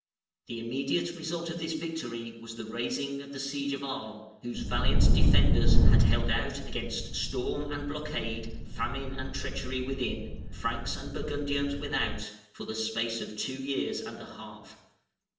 The immediate result of this victory was the raising of the siege of Aries, whose valiant defenders had held out against storm and blockade, famine and treachery within, Franks and Burgundians without, for the space of two years and a half.